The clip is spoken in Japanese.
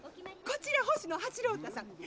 こちら星野八郎太さん。